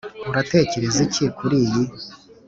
uratekereza iki kuri iyi?